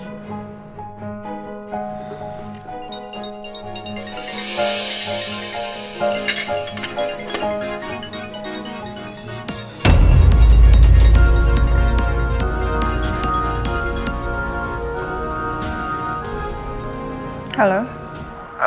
tidak aku tak mau